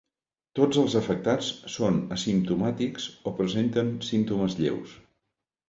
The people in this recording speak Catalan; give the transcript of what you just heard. Tots els afectats són asimptomàtics o presenten símptomes lleus.